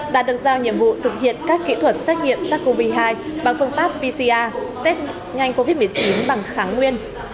đã được giao nhiệm vụ thực hiện các kỹ thuật xét nghiệm sars cov hai bằng phương pháp pcr test nhanh covid một mươi chín bằng kháng nguyên